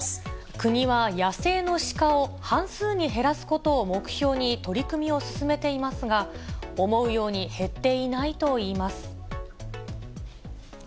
国は、野生のシカを半数に減らすことを目標に取り組みを進めていますが、思うように減っていないといいます。